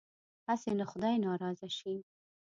هسې نه خدای ناراضه شي.